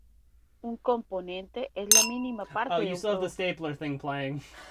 Un componente es la mínima parte de un producto.